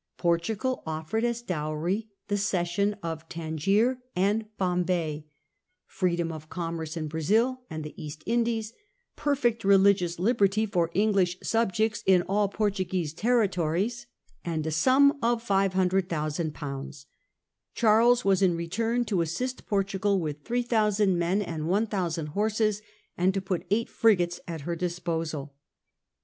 Portugal offered as dowry the cession of Tangier and Bombay, freedom of commerce in Brazil and the East Indies, perfect religious liberty for English subjects in all Portuguese territories, and a sum of 500,000/. Charles was in return to assist Portugal with 3,000 men and 1,000 horses, and to put eight frigates at her disposal.